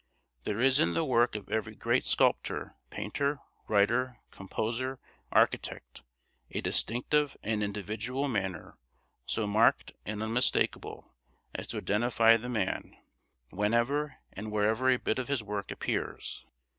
There is in the work of every great sculptor, painter, writer, composer, architect, a distinctive and individual manner so marked and unmistakable as to identify the man whenever and wherever a bit of his work appears.